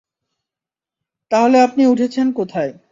তাহলে আপনি উঠেছেন কোথায়?